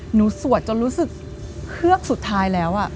สวดจนรู้สึกเคือกสุดท้ายแล้ว